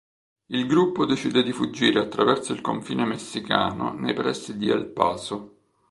Il gruppo decide di fuggire attraverso il confine messicano nei pressi di El Paso.